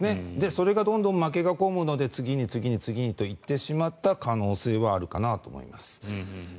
それがどんどん負けが込むので次に次にと行ってしまった可能性はあるかなと思います。